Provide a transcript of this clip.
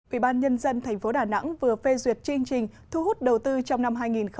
ủy ban nhân dân tp đà nẵng vừa phê duyệt chương trình thu hút đầu tư trong năm hai nghìn hai mươi